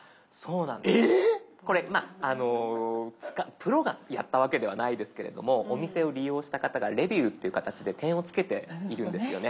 プロがやったわけではないですけれどもお店を利用した方がレビューっていう形で点をつけているんですよね。